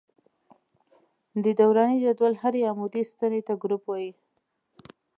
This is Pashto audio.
د دوراني جدول هرې عمودي ستنې ته ګروپ وايي.